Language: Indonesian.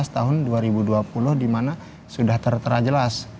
tahun dua ribu dua puluh dimana sudah terjelas